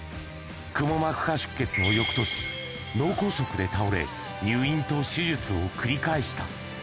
くも膜下出血のよくとし、脳梗塞で倒れ、入院と手術を繰り返した。